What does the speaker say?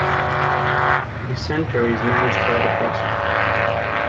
The Centre is managed by the Trust.